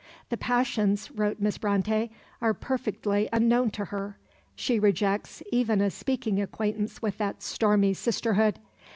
"The passions," wrote Miss Brontë, "are perfectly unknown to her; she rejects even a speaking acquaintance with that stormy sisterhood.